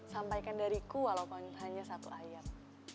sampaikan dariku walau pun hanya satu ayat